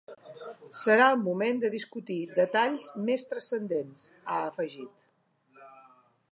Serà el moment de discutir detalls més transcendents, ha afegit.